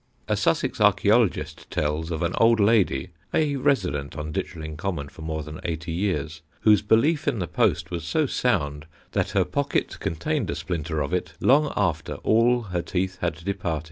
A Sussex archæologist tells of an old lady, a resident on Ditchling Common for more than eighty years, whose belief in the Post was so sound that her pocket contained a splinter of it long after all her teeth had departed.